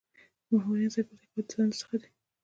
د مامورینو ځای پر ځای کول د دندو څخه دي.